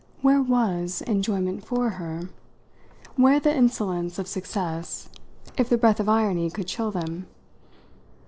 Where was enjoyment, for her, where the insolence of success, if the breath of irony could chill them?